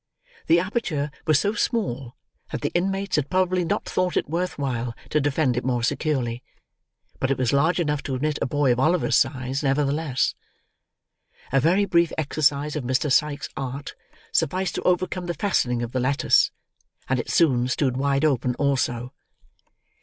The aperture was so small, that the inmates had probably not thought it worth while to defend it more securely; but it was large enough to admit a boy of Oliver's size, nevertheless. A very brief exercise of Mr. Sike's art, sufficed to overcome the fastening of the lattice; and it soon stood wide open also.